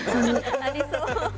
ありそう。